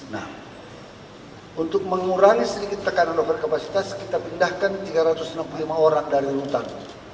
nah untuk mengurangi sedikit tekanan overkapasitas kita pindahkan tiga ratus enam puluh lima orang dari rutan